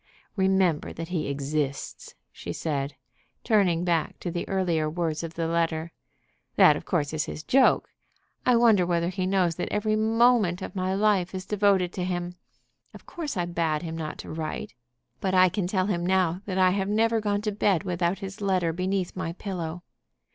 Remember that he exists," she said, turning back to the earlier words of the letter. "That of course is his joke. I wonder whether he knows that every moment of my life is devoted to him. Of course I bade him not to write. But I can tell him now that I have never gone to bed without his letter beneath my pillow."